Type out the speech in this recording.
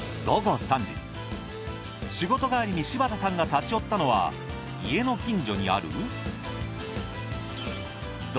仕事帰りに柴田さんが立ち寄ったのは家の近所にある。